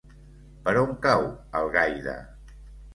Per on cau Algaida?